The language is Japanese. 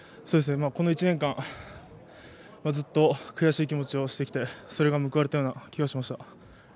この１年間、ずっと悔しい気持ちをしてきてそれが報われたような気がしました。